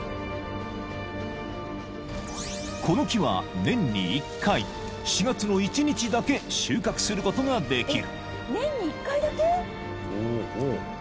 ［この木は年に１回４月の１日だけ収穫することができる］